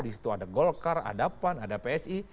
di situ ada golkar ada pan ada psi